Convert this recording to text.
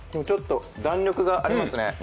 ちょっと弾力がありますね。